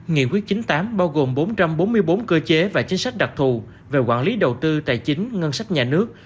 nghị quyết chín mươi tám bao gồm bốn trăm bốn mươi bốn cơ chế và chính sách đặc thù về quản lý đầu tư tài chính ngân sách nhà nước